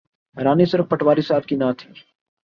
حیرانی صرف پٹواری صاحب کی نہ تھی۔